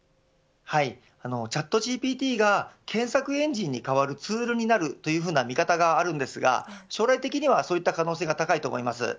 チャットＧＰＴが検索エンジンに代わるツールになるという見方があるんですが将来的には、そういった可能性が高いと思います。